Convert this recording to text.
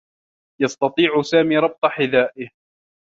يستطيع سامي ربط حذائه.